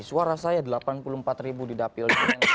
suara saya delapan puluh empat ribu didapil